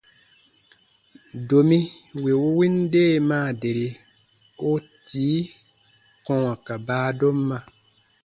Domi wì u win deemaa deri, u tii kɔ̃wa ka baadomma.